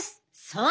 そう！